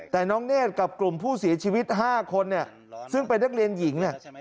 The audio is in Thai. แต่น้องเนศกับกลุ่มผู้เสียชีวิต๕คนซึ่งเป็นนักเรียนหญิง